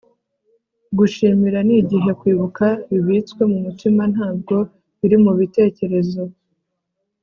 gushimira ni igihe kwibuka bibitswe mu mutima ntabwo biri mu bitekerezo